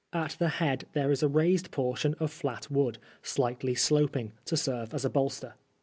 At the head there is a raised portion of flat wood, slightly sloping, to serve as a bolster.